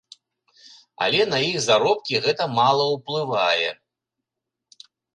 Але на іх заробкі гэта мала ўплывае.